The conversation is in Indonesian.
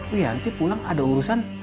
wianti pulang ada urusan